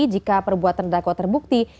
jika perbuatan terdakwa terbukti